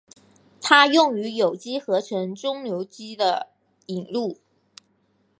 它用于有机合成中巯基的引入。